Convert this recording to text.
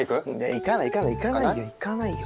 行かない行かない行かないよ行かないよ。